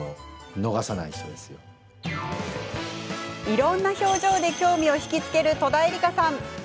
いろんな表情で興味を引きつける戸田恵梨香さん。